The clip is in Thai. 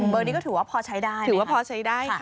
เบอร์นี้ก็ถือว่าพอใช้ได้